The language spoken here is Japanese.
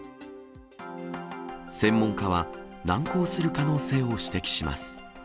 専門家は、難航する可能性を指摘します。